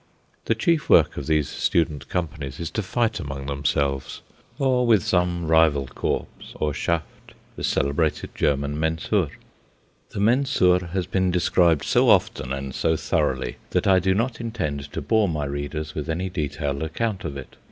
The chief work of these student companies is to fight among themselves, or with some rival Korps or Schaft, the celebrated German Mensur. The Mensur has been described so often and so thoroughly that I do not intend to bore my readers with any detailed account of it.